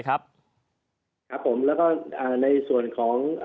ครับผมและก็ในส่วนของ